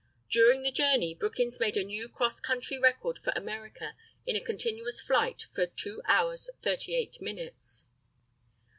During the journey Brookins made a new cross country record for America in a continuous flight for 2 hours 38 minutes.